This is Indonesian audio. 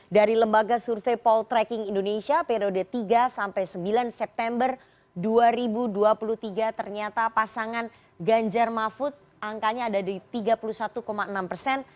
dari lembaga survei poltreking indonesia periode tiga sampai sembilan september dua ribu dua puluh tiga ternyata pasangan ganjar mahfud angkanya ada di tiga puluh satu enam persen